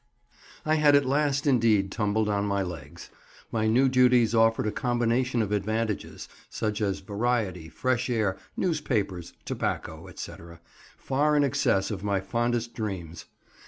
I HAD at last indeed tumbled on my legs. My new duties offered a combination of advantages—such as variety, fresh air, newspapers, tobacco, etc.—far in excess of my fondest dreams.